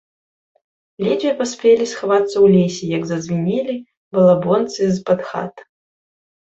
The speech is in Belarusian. Ледзьве паспелі схавацца ў лесе, як зазвінелі балабонцы з-пад хат.